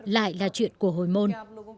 lại là chuyện của hồi môn